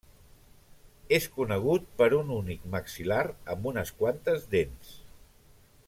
És conegut per un únic maxil·lar amb unes quantes dents.